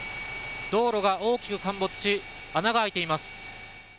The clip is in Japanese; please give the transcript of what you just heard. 道路が大きく陥没し穴が開いています。